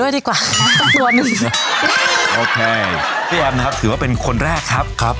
ดีกว่าสักตัวหนึ่งโอเคพี่แอมนะครับถือว่าเป็นคนแรกครับครับ